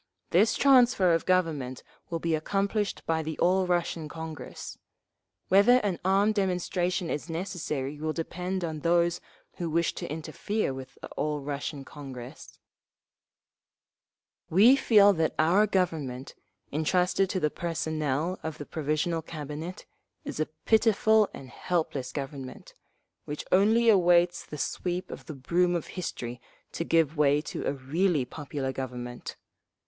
This transfer of government will be accomplished by the All Russian Congress. Whether an armed demonstration is necessary will depend on… those who wish to interfere with the All Russian Congress…. "We feel that our Government, entrusted to the personnel of the Provisional Cabinet, is a pitiful and helpless Government, which only awaits the sweep of the broom of History to give way to a really popular Government.